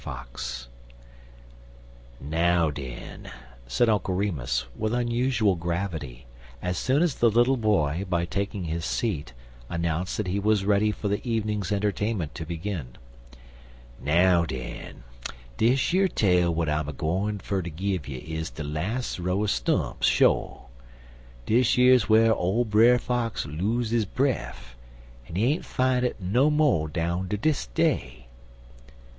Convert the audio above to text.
FOX "Now, den," said Uncle Remus, with unusual gravity, as soon as the little boy, by taking his seat, announced that he was ready for the evening's entertainment to begin; "now, den, dish yer tale w'at I'm agwine ter gin you is de las' row er stumps, sho. Dish yer's whar ole Brer Fox los' his breff, en he ain't fine it no mo' down ter dis day."